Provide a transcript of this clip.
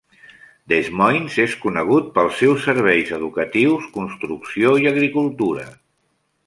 Des Moines és conegut pels seus serveis educatius, construcció i agricultura.